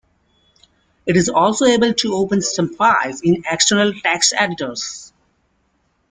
It is also able to open some files in external text editors.